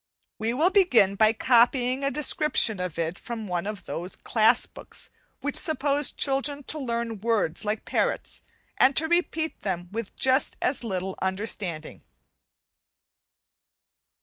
We will begin by copying a description of it from one of those class books which suppose children to learn words like parrots, and to repeat them with just as little understanding.